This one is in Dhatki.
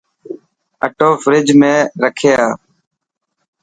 اثو فريج ۾ رکي آءِ.